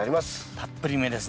たっぷりめですね。